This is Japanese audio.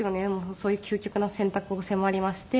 そういう究極な選択を迫りまして。